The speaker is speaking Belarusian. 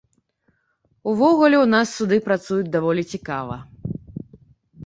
Увогуле ў нас суды працуюць даволі цікава.